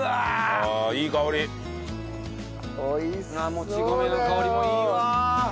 もち米の香りもいいわ。